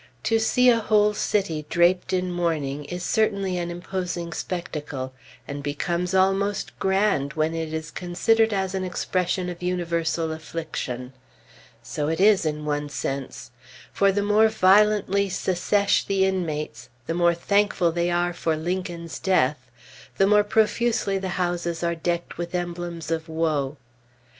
To see a whole city draped in mourning is certainly an imposing spectacle, and becomes almost grand when it is considered as an expression of universal affliction. So it is, in one sense. For the more violently "Secesh" the inmates, the more thankful they are for Lincoln's death, the more profusely the houses are decked with the emblems of woe.